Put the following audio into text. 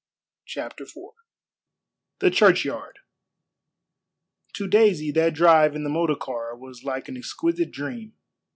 CHAPTER IV THE CHURCHYARD To Daisy that drive in the motor car was like an exquisite dream.